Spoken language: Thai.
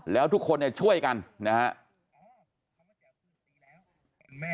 แล้วทุกคนเนี่ยช่วยกันนะครับ